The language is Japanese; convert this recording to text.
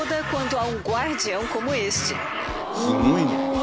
すごいな。